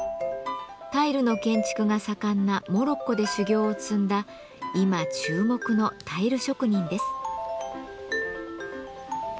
タイルの建築が盛んなモロッコで修業を積んだ今注目のタイル職人です。